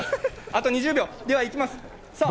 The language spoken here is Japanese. あと２０秒、いきます！